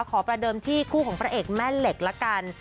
ประเดิมที่คู่ของพระเอกแม่เหล็กละกัน